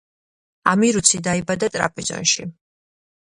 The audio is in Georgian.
ამირუცი დაიბადა ტრაპიზონში.